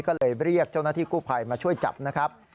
ก็เลยเรียกเจ้าหน้าที่กู้ภัยมาช่วยจับนะครับ